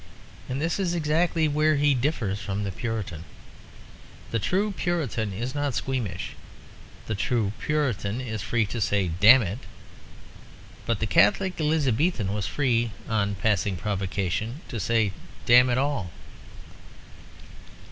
And this is exactly where he differs from the Puritan. The true Puritan is not squeamish: the true Puritan is free to say "Damn it!" But the Catholic Elizabethan was free (on passing provocation) to say "Damn it all!"